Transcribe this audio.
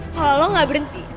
kalo lo gak berhenti